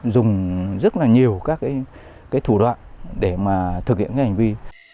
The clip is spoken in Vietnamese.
dùng rất nhiều các thủ đoạn để thực hiện hành vi